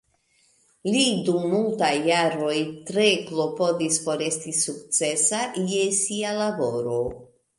Li dum multaj jaroj tre klopodis por esti sukcesa je sia laboro.